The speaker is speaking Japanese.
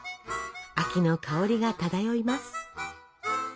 秋の香りが漂います。